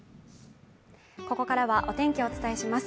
ここからはお天気をお伝えします